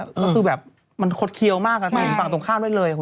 ก็คือแบบมันโคตรเคี้ยวมากนะฝั่งตรงข้ามด้วยเลย